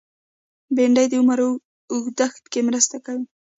بېنډۍ د عمر اوږدښت کې مرسته کوي